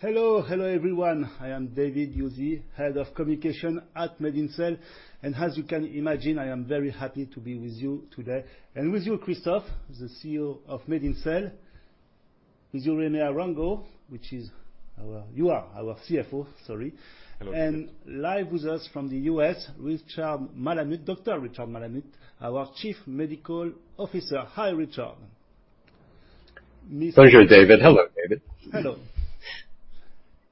Hello. Hello, everyone. I am David Heuzé, Head of Communication at MedinCell. As you can imagine, I am very happy to be with you today. With you, Christophe, the CEO of MedinCell. With you, Jaime Arango, you are our CFO, sorry. Hello, David. Live with us from the U.S., Richard Malamut. Dr. Richard Malamut, our Chief Medical Officer. Hi, Richard. Pleasure, David. Hello, David. Hello.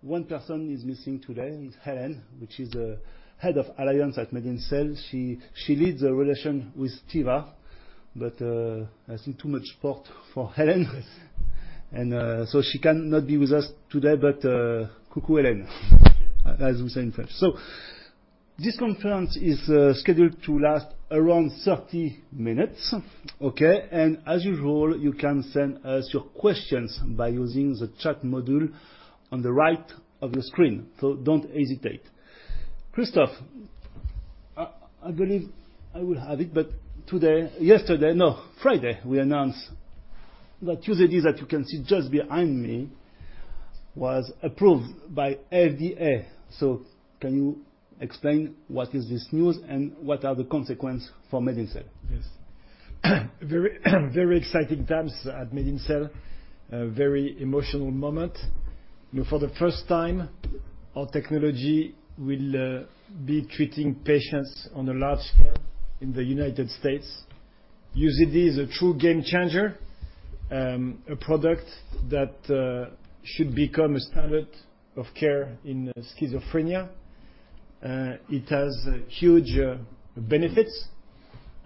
One person is missing today, Helen, which is the Head of Alliance at MedinCell. She leads the relation with Teva, but I think too much sport for Helen. She cannot be with us today, but coucou, Helen, as we say in French. This conference is scheduled to last around 30 minutes, okay? As usual, you can send us your questions by using the chat module on the right of the screen, don't hesitate. Christophe, I believe I will have it, but Friday, we announced that UZEDY that you can see just behind me was approved by FDA. Can you explain what is this news and what are the consequences for MedinCell? Yes. Very, very exciting times at MedinCell. A very emotional moment. You know, for the first time our technology will be treating patients on a large scale in the United States. UZEDY is a true game changer, a product that should become a standard of care in schizophrenia. It has huge benefits.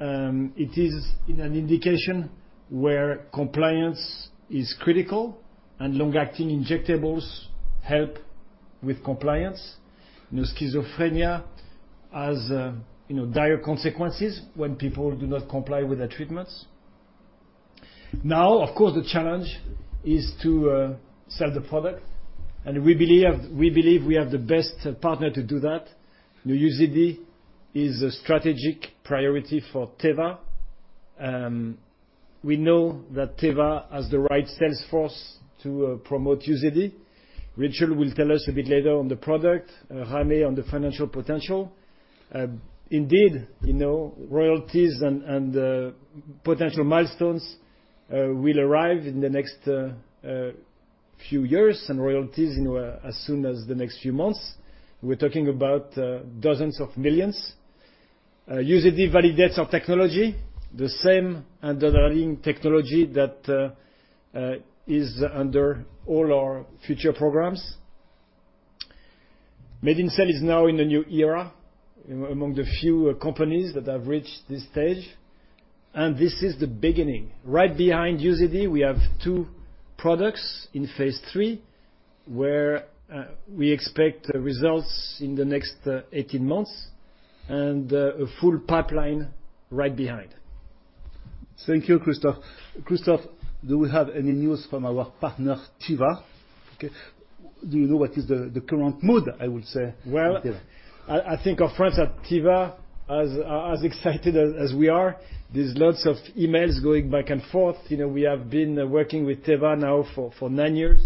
It is in an indication where compliance is critical and long-acting injectables help with compliance. You know, schizophrenia has, you know, dire consequences when people do not comply with their treatments. Of course, the challenge is to sell the product, we believe we have the best partner to do that. You know, UZEDY is a strategic priority for Teva. We know that Teva has the right sales force to promote UZEDY. Richard will tell us a bit later on the product, Jeime on the financial potential. Indeed, you know, royalties and potential milestones will arrive in the next few years and royalties in as soon as the next few months. We're talking about dozens of millions. UZEDY validates our technology, the same underlying technology that is under all our future programs. MedinCell is now in a new era among the few companies that have reached this stage, and this is the beginning. Right behind UZEDY we have two products in Phase 3, where we expect results in the next 18 months and a full pipeline right behind. Thank you, Christophe. Christophe, do we have any news from our partner, Teva? Okay, do you know what is the current mood, I would say, with Teva? Well, I think our friends at Teva are as excited as we are. There's lots of emails going back and forth. You know, we have been working with Teva now for 9 years,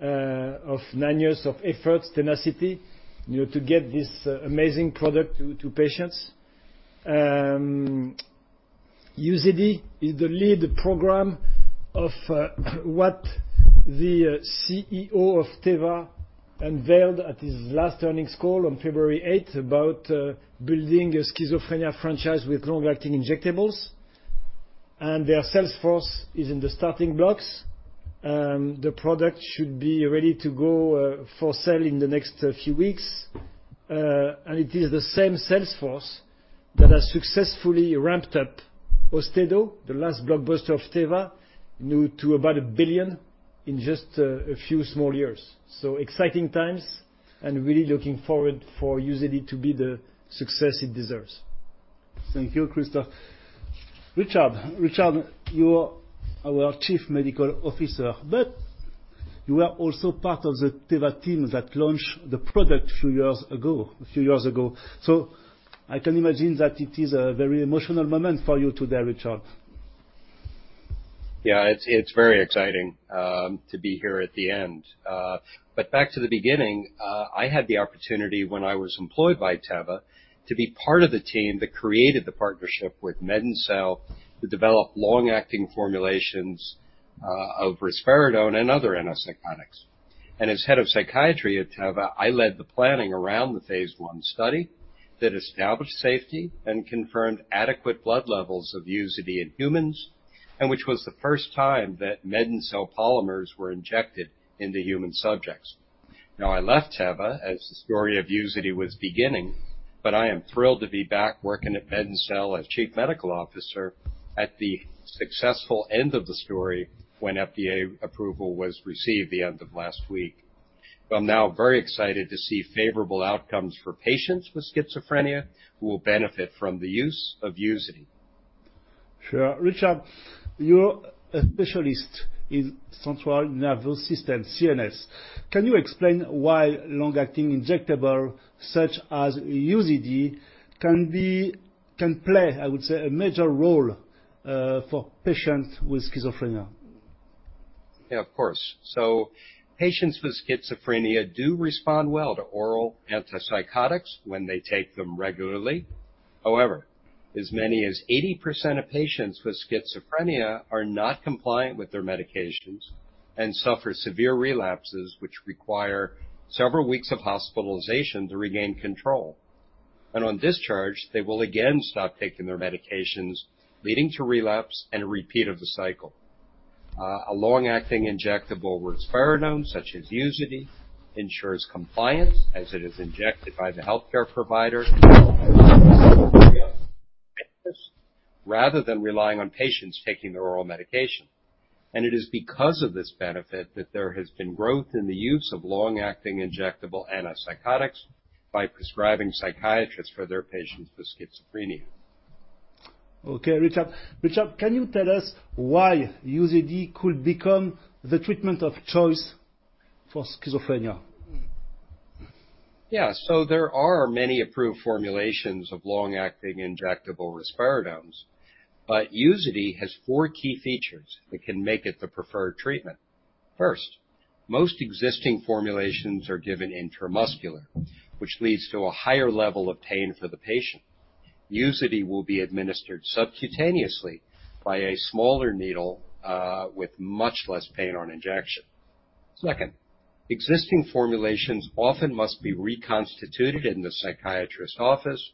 of 9 years of efforts, tenacity, you know, to get this amazing product to patients. UZEDY is the lead program of what the CEO of Teva unveiled at his last earnings call on February 8 about building a schizophrenia franchise with long-acting injectables. Their sales force is in the starting blocks. The product should be ready to go for sale in the next few weeks. It is the same sales force that has successfully ramped up AUSTEDO, the last blockbuster of Teva, you know, to about $1 billion in just a few small years. Exciting times and really looking forward for UZEDY to be the success it deserves. Thank you, Christophe. Richard. Richard, you're our Chief Medical Officer. You are also part of the Teva team that launched the product a few years ago. I can imagine that it is a very emotional moment for you today, Richard. Yeah, it's very exciting to be here at the end. Back to the beginning, I had the opportunity when I was employed by Teva to be part of the team that created the partnership with MedinCell to develop long-acting formulations of risperidone and other antipsychotics. As head of psychiatry at Teva, I led the planning around the Phase 1 study that established safety and confirmed adequate blood levels of UZEDY in humans, and which was the first time that MedinCell polymers were injected into human subjects. I left Teva as the story of UZEDY was beginning, but I am thrilled to be back working at MedinCell as Chief Medical Officer at the successful end of the story when FDA approval was received the end of last week. I'm now very excited to see favorable outcomes for patients with schizophrenia who will benefit from the use of UZEDY. Sure. Richard, you're a specialist in central nervous system, CNS. Can you explain why long-acting injectable such as UZEDY Can play, I would say, a major role for patients with schizophrenia? Yeah, of course. Patients with schizophrenia do respond well to oral antipsychotics when they take them regularly. However, as many as 80% of patients with schizophrenia are not compliant with their medications and suffer severe relapses which require several weeks of hospitalization to regain control. And on discharge, they will again stop taking their medications, leading to relapse and a repeat of the cycle. A long-acting injectable risperidone, such as UZEDY, ensures compliance as it is injected by the healthcare provider rather than relying on patients taking their oral medication. It is because of this benefit that there has been growth in the use of long-acting injectable antipsychotics by prescribing psychiatrists for their patients with schizophrenia. Okay, Richard. Richard, can you tell us why UZEDY could become the treatment of choice for schizophrenia? There are many approved formulations of long-acting injectable risperidones, but UZEDY has 4 key features that can make it the preferred treatment. First, most existing formulations are given intramuscular, which leads to a higher level of pain for the patient. UZEDY will be administered subcutaneously by a smaller needle, with much less pain on injection. Second, existing formulations often must be reconstituted in the psychiatrist's office,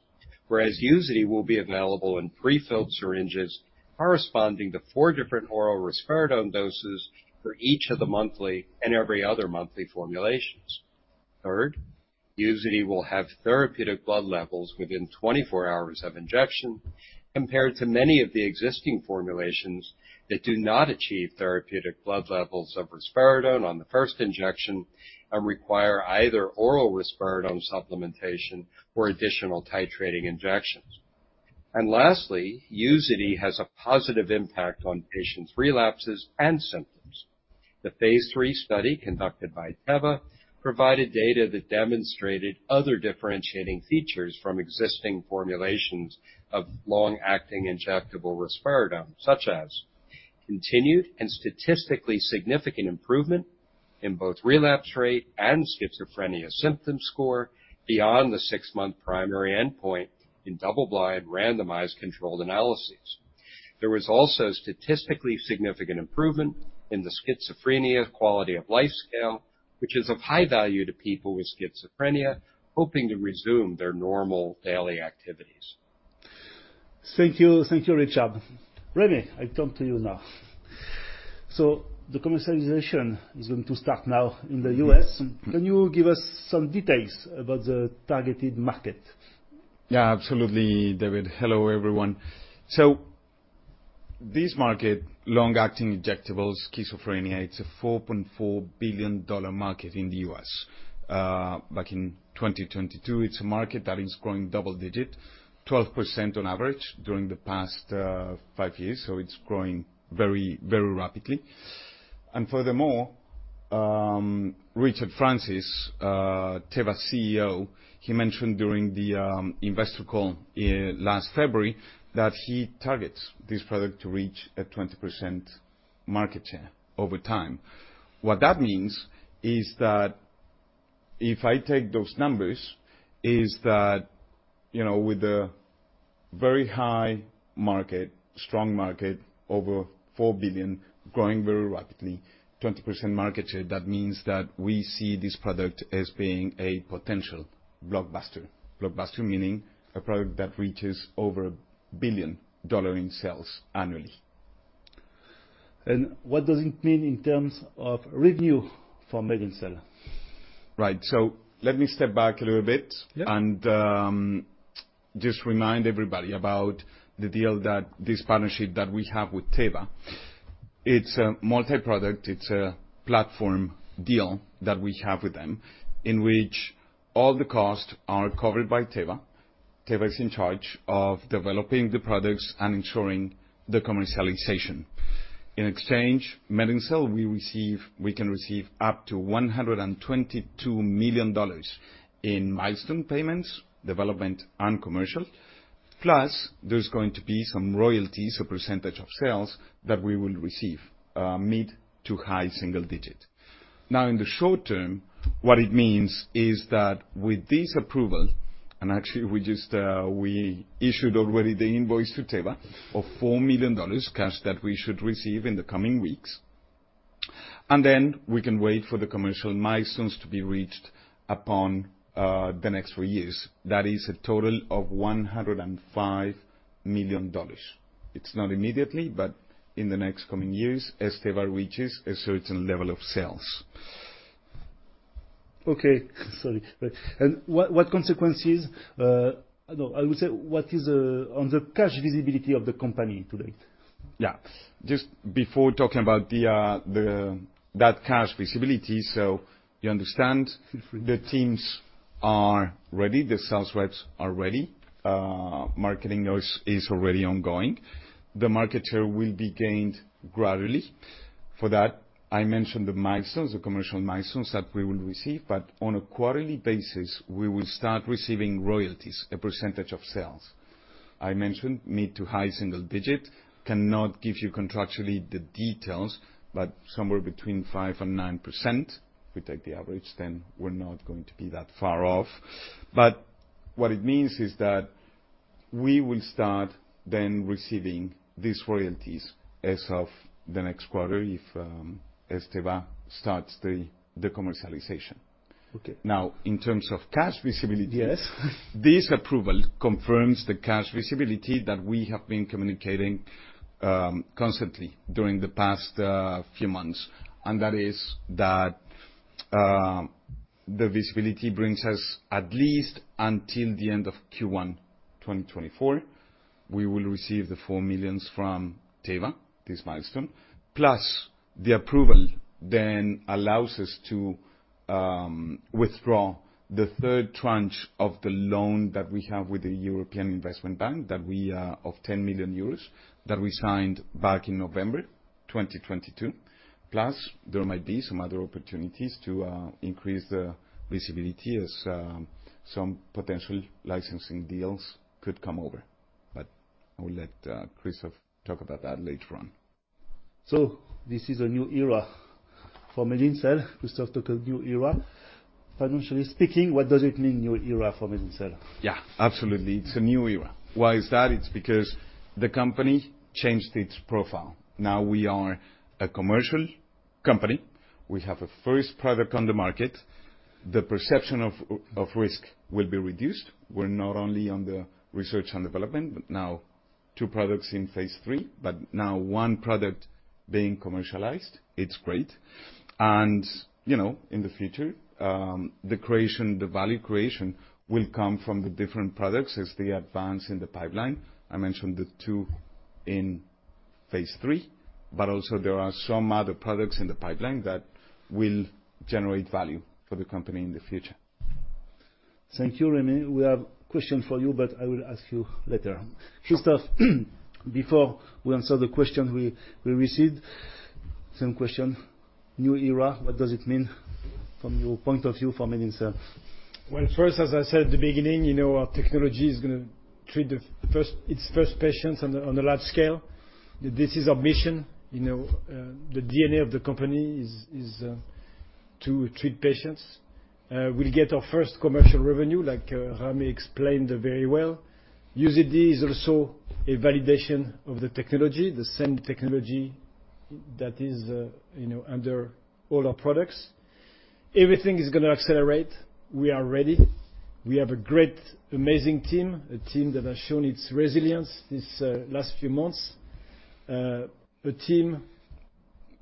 whereas UZEDY will be available in pre-filled syringes corresponding to 4 different oral risperidone doses for each of the monthly and every other monthly formulations. Third, UZEDY will have therapeutic blood levels within 24 hours of injection compared to many of the existing formulations that do not achieve therapeutic blood levels of risperidone on the first injection and require either oral risperidone supplementation or additional titrating injections. Lastly, UZEDY has a positive impact on patients' relapses and symptoms. The Phase 3 study conducted by Teva provided data that demonstrated other differentiating features from existing formulations of long-acting injectable risperidone, such as continued and statistically significant improvement in both relapse rate and schizophrenia symptom score beyond the six-month primary endpoint in double-blind randomized controlled analyses. There was also statistically significant improvement in the Schizophrenia Quality of Life Scale, which is of high value to people with schizophrenia hoping to resume their normal daily activities. Thank you. Thank you, Richard. Jeime, I come to you now. The commercialization is going to start now in the U.S. Yes. Can you give us some details about the targeted market? Yeah, absolutely, David. Hello, everyone. This market, long-acting injectables schizophrenia, it's a $4.4 billion market in the U.S. back in 2022. It's a market that is growing double digit, 12% on average during the past five years, so it's growing very, very rapidly. Furthermore, Richard Francis, Teva's CEO, he mentioned during the investor call in last February that he targets this product to reach a 20% market share over time. What that means is that if I take those numbers, is that, you know, with a very high market, strong market over $4 billion, growing very rapidly, 20% market share, that means that we see this product as being a potential blockbuster. Blockbuster, meaning a product that reaches over $1 billion in sales annually. What does it mean in terms of review for MedinCell? Right. Let me step back a little bit. Yeah just remind everybody about the deal that this partnership that we have with Teva. It's a multiproduct. It's a platform deal that we have with them, in which all the costs are covered by Teva. Teva is in charge of developing the products and ensuring the commercialization. In exchange, MedinCell, we can receive up to $122 million in milestone payments, development, and commercial. Plus, there's going to be some royalties or percentage of sales that we will receive mid to high single digit. Now, in the short term, what it means is that with this approval, actually we just issued already the invoice to Teva of $4 million cash that we should receive in the coming weeks. Then we can wait for the commercial milestones to be reached upon the next 3 years. That is a total of $105 million. It's not immediately, but in the next coming years, as Teva reaches a certain level of sales. Okay. Sorry. What, what consequences... No, I would say, what is on the cash visibility of the company to date? Yeah. Just before talking about the that cash visibility, so you understand the teams are ready, the sales reps are ready. Marketing is already ongoing. The market share will be gained gradually. For that, I mentioned the milestones, the commercial milestones that we will receive. On a quarterly basis, we will start receiving royalties, a percentage of sales. I mentioned mid to high single digit, cannot give you contractually the details, but somewhere between 5% and 9%. If we take the average, then we're not going to be that far off. What it means is that we will start then receiving these royalties as of the next quarter, if Teva starts the commercialization. Okay. Now, in terms of cash visibility. Yes. This approval confirms the cash visibility that we have been communicating, constantly during the past few months. The visibility brings us at least until the end of Q1 2024. We will receive the 4 million from Teva, this milestone, the approval then allows us to withdraw the third tranche of the loan that we have with the European Investment Bank, that we of 10 million euros that we signed back in November 2022. There might be some other opportunities to increase the visibility as some potential licensing deals could come over. I will let Christophe talk about that later on. This is a new era for MedinCell. Christophe talked a new era. Financially speaking, what does it mean, new era for MedinCell? Yeah, absolutely. It's a new era. Why is that? It's because the company changed its profile. Now we are a commercial company. We have a first product on the market. The perception of risk will be reduced. We're not only on the research and development, but now two products in Phase 3, but now one product being commercialized. It's great. You know, in the future, the creation, the value creation will come from the different products as they advance in the pipeline. I mentioned the two in Phase 3, there are some other products in the pipeline that will generate value for the company in the future. Thank you, Jeime. We have question for you, but I will ask you later. Christophe, before we answer the question we received, same question, new era, what does it mean from your point of view for MedinCell? Well, first, as I said at the beginning, you know, our technology is gonna treat its first patients on a large scale. This is our mission. You know, the DNA of the company is to treat patients. We'll get our first commercial revenue like Jeime explained very well. UZEDY is also a validation of the technology, the same technology that is, you know, under all our products. Everything is gonna accelerate. We are ready. We have a great, amazing team, a team that has shown its resilience these last few months. A team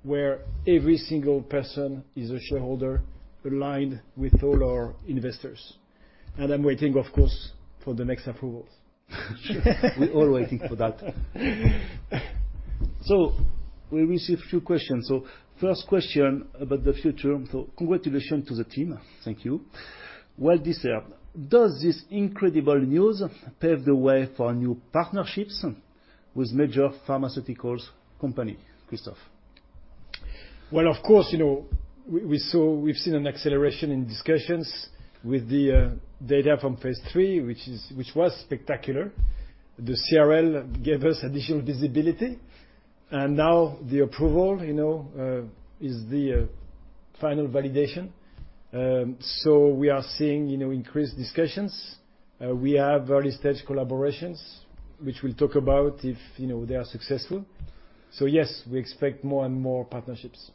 where every single person is a shareholder aligned with all our investors. I'm waiting, of course, for the next approvals. We're all waiting for that. We received a few questions. First question about the future. Congratulations to the team. Thank you. Well deserved. Does this incredible news pave the way for new partnerships with major pharmaceuticals company, Christophe? Well, of course, you know, we saw, we've seen an acceleration in discussions with the data from Phase 3, which was spectacular. The CRL gave us additional visibility. Now the approval, you know, is the final validation. We are seeing, you know, increased discussions. We have early stage collaborations, which we'll talk about if, you know, they are successful. Yes, we expect more and more partnerships.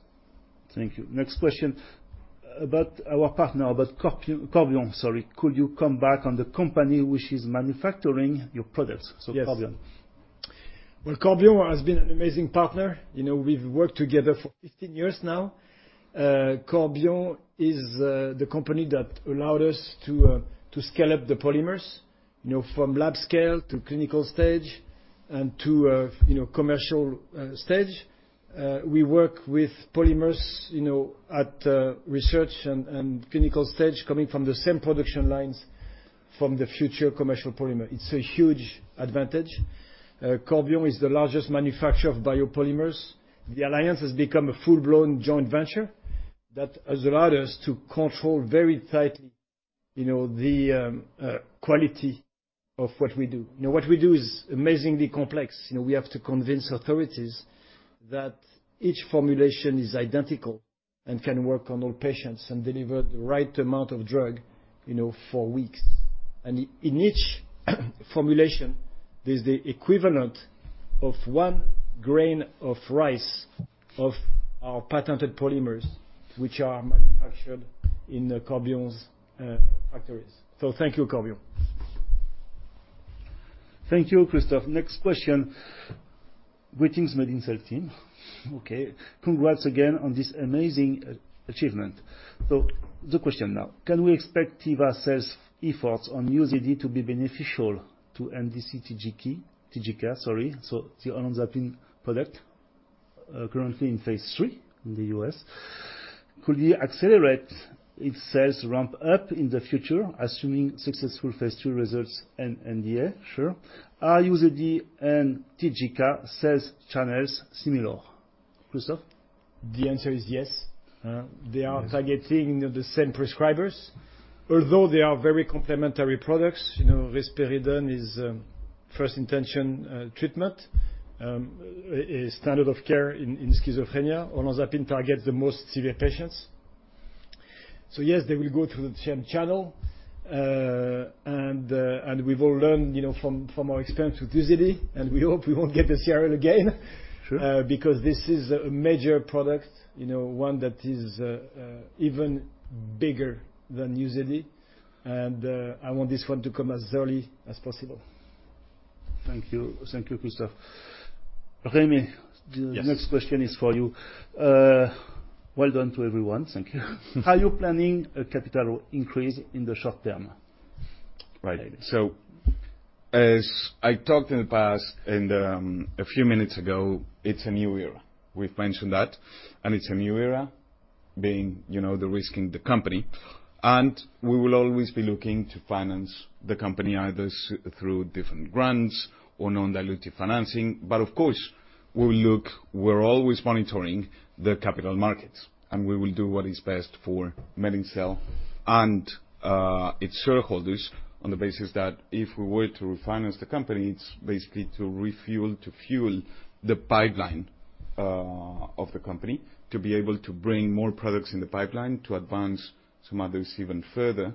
Thank you. Next question about our partner, about Corbion, sorry. Could you come back on the company which is manufacturing your products? Yes. Corbion. Well, Corbion has been an amazing partner. You know, we've worked together for 15 years now. Corbion is the company that allowed us to scale up the polymers, you know, from lab scale to clinical stage and to, you know, commercial stage. We work with polymers, you know, at research and clinical stage coming from the same production lines from the future commercial polymer. It's a huge advantage. Corbion is the largest manufacturer of biopolymers. The alliance has become a full-blown joint venture that has allowed us to control very tightly, you know, the quality of what we do. You know, what we do is amazingly complex. You know, we have to convince authorities that each formulation is identical and can work on all patients and deliver the right amount of drug, you know, for weeks. In each formulation, there's the equivalent of one grain of rice of our patented polymers, which are manufactured in the Corbion's factories. Thank you, Corbion. Thank you, Christophe. Next question. Greetings, MedinCell team. Okay. Congrats again on this amazing achievement. The question now, can we expect Teva sales efforts on UZEDY to be beneficial to mdc-TJK? TJK, sorry. The olanzapine product currently in Phase 3 in the U.S. Could you accelerate its sales ramp up in the future, assuming successful Phase 2 results and NDA? Sure. Are UZEDY and TJK sales channels similar? Christophe? The answer is yes. They are targeting the same prescribers, although they are very complementary products. You know, risperidone is first intention treatment, a standard of care in schizophrenia. Olanzapine targets the most severe patients. Yes, they will go through the same channel. We've all learned, you know, from our experience with UZEDY, and we hope we won't get the CRL again. Sure. Because this is a major product, you know, one that is even bigger than UZEDY. I want this one to come as early as possible. Thank you. Thank you, Christophe. Jeime- Yes. The next question is for you. Well done to everyone. Thank you. Are you planning a capital increase in the short term? Right. As I talked in the past, and a few minutes ago, it's a new era. We've mentioned that, and it's a new era being, you know, the risk in the company. We will always be looking to finance the company either through different grants or non-dilutive financing. Of course, We're always monitoring the capital markets, and we will do what is best for MedinCell and its shareholders on the basis that if we were to refinance the company, it's basically to refuel, to fuel the pipeline of the company, to be able to bring more products in the pipeline, to advance some others even further.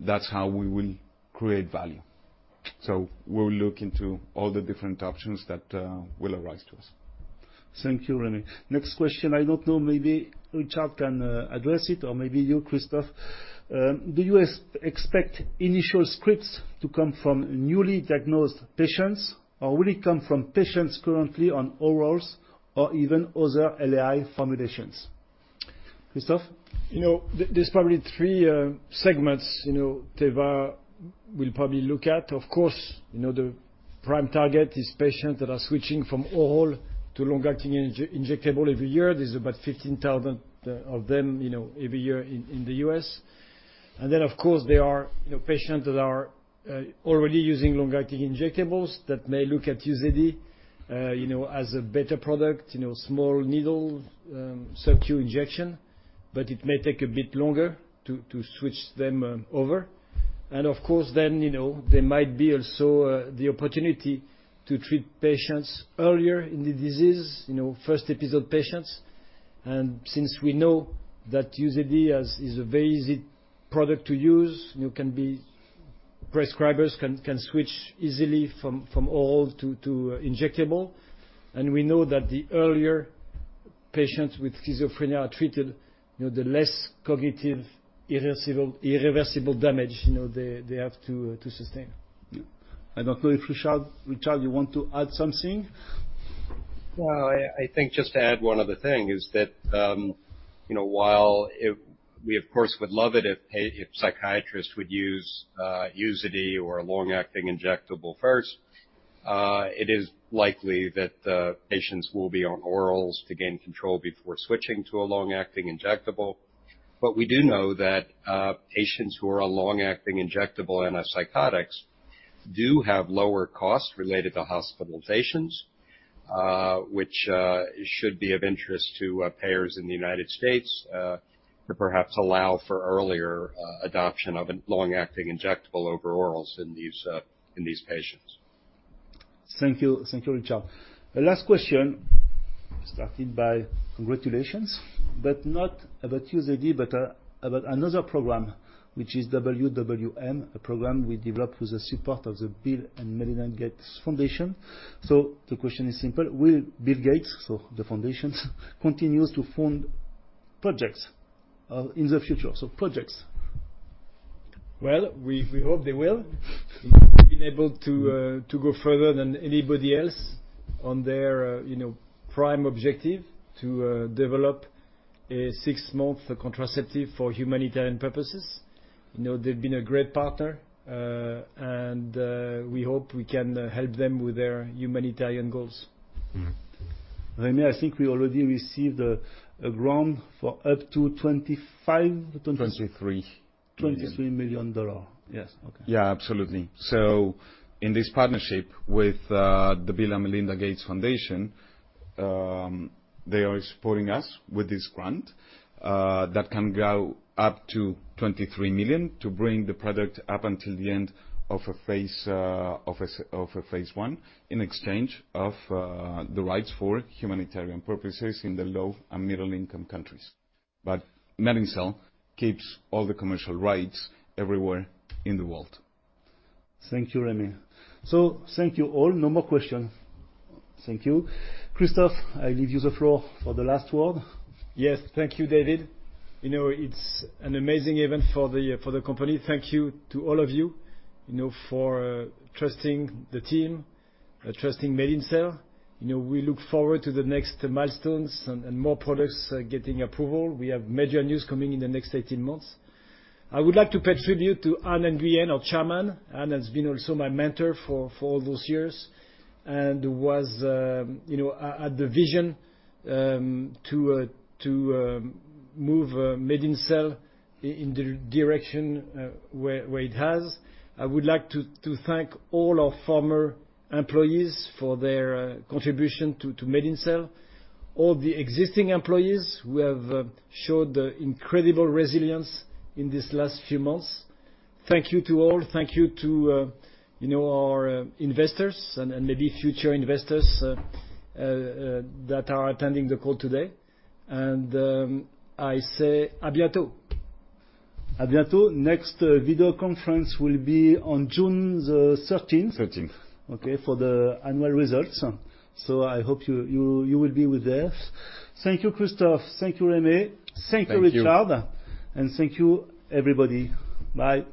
That's how we will create value. We'll look into all the different options that will arise to us. Thank you, Jeime. Next question. I don't know, maybe Richard can address it or maybe you, Christophe. Do you expect initial scripts to come from newly diagnosed patients, or will it come from patients currently on orals or even other LAI formulations? Christophe? You know, there's probably three segments, you know, Teva will probably look at. Of course, you know, the prime target is patients that are switching from oral to long-acting injectable every year. There's about 15,000 of them, you know, every year in the US. Of course, there are, you know, patients that are already using long-acting injectables that may look at UZEDY, you know, as a better product, you know, small needle, subQ injection. It may take a bit longer to switch them over. Of course, then, you know, there might be also the opportunity to treat patients earlier in the disease, you know, first episode patients. Since we know that UZEDY is a very easy product to use, you know, Prescribers can switch easily from oral to injectable. We know that the earlier patients with schizophrenia are treated, you know, the less cognitive irreversible damage, you know, they have to sustain. I don't know if Richard, you want to add something? Well, I think just to add one other thing is that, you know, while it... We of course would love it if psychiatrists would use UZEDY or a long-acting injectable first, it is likely that the patients will be on orals to gain control before switching to a long-acting injectable. We do know that patients who are on long-acting injectable antipsychotics do have lower costs related to hospitalizations, which should be of interest to payers in the United States, to perhaps allow for earlier adoption of a long-acting injectable over orals in these in these patients. Thank you. Thank you, Richard. The last question started by congratulations, but not about UZEDY, but about another program, which is mdc-WWM, a program we developed with the support of the Bill & Melinda Gates Foundation. The question is simple: Will Bill Gates, so the foundations, continue to fund projects in the future? Projects. We hope they will. We've been able to to go further than anybody else on their, you know, prime objective to develop a 6-month contraceptive for humanitarian purposes. You know, they've been a great partner and we hope we can help them with their humanitarian goals. Mm-hmm. Jaime, I think we already received a grant for up to twenty-five- EUR 23 million. $23 million. Yes. Okay. Yeah, absolutely. In this partnership with the Bill & Melinda Gates Foundation, they are supporting us with this grant that can go up to 23 million to bring the product up until the end of a Phase 1, in exchange of the rights for humanitarian purposes in the low and middle-income countries. MedinCell keeps all the commercial rights everywhere in the world. Thank you, Jeime. Thank you all. No more question. Thank you. Christophe, I leave you the floor for the last word. Yes. Thank you, David. You know, it's an amazing event for the company. Thank you to all of you know, for trusting the team, trusting MedinCell. You know, we look forward to the next milestones and more products getting approval. We have major news coming in the next 18 months. I would like to pay tribute to Anh-Tuan Nguyen, our Chairman. Anh has been also my mentor for all those years and was, you know, had the vision to move MedinCell in the direction where it has. I would like to thank all our former employees for their contribution to MedinCell. All the existing employees who have showed incredible resilience in these last few months. Thank you to all. Thank you to, you know, our investors and maybe future investors, that are attending the call today. I say à bientôt. À bientôt. Next video conference will be on June the 13th. Thirteenth. Okay. For the annual results. I hope you, you will be with us. Thank you, Christophe. Thank you, Jaime. Thank you. Thank you, Richard. Thank you, everybody. Bye.